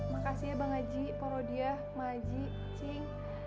makasih ya bang haji pak rodia mak haji cing